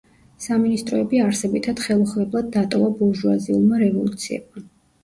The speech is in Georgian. სამინისტროები არსებითად ხელუხლებლად დატოვა ბურჟუაზიულმა რევოლუციებმა.